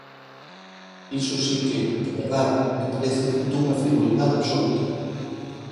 Iso si que, de verdade, me parece dunha frivolidade absoluta.